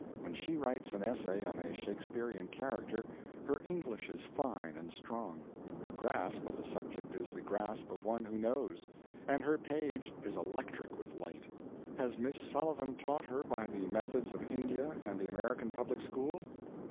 When she writes an essay on a Shakespearean character, her English is fine and strong, her grasp of the subject is the grasp of one who knows, and her page is electric with light. Has Miss Sullivan taught her by the methods of India and the American public school?